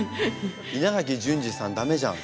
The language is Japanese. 稲垣淳二さん駄目じゃん。